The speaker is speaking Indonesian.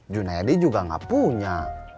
junedi juga nggak punya